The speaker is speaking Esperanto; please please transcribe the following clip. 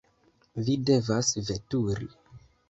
Vi devas veturi!